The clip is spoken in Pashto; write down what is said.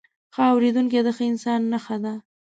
ښه اورېدونکی، د ښه انسان نښه ده.